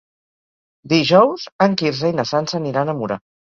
Dijous en Quirze i na Sança aniran a Mura.